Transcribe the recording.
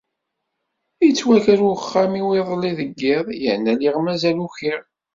Yettwaker uxxam-iw iḍelli deg iḍ yerna lliɣ mazal ukiɣ.